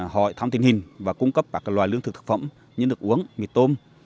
hỏi thăm tình hình và cung cấp các loài lương thực thực phẩm như nước uống mì tôm